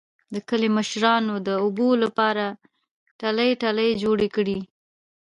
د کلي مشرانو د اوبو لپاره ټلۍ ټلۍ جوړې کړې